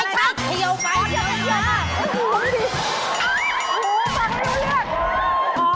โอ้โฮมันไม่รู้เรื่อง